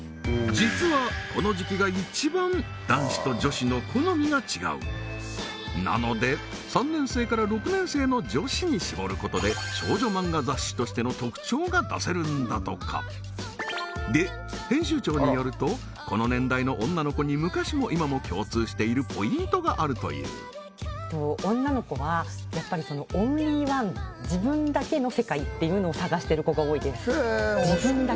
実はこの時期が一番男子と女子の好みが違うなので３年生から６年生の女子に絞ることで少女マンガ雑誌としての特徴が出せるんだとかで編集長によるとこの年代の女の子に昔も今も共通しているポイントがあるという自分だけの世界っていうのを探してる子が多いです